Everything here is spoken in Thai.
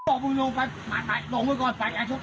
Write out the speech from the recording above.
ไอ้บอกผมลงไปลงไว้ก่อนไอ้ชนผม